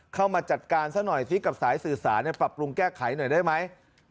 เข้ามาจัดการซะหน่อยซิกับสายสื่อสารปรับปรุงแก้ไขหน่อยได้ไหม